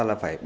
là phải bắt